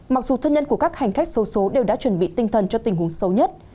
mặc dù thân nhân của các hành khách sâu số đều đã chuẩn bị tinh thần cho tình huống xấu nhất